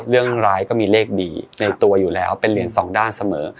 เรื่องร้ายก็มีเลขดีในตัวอยู่แล้วเป็นเหรียญสองด้านเสมอ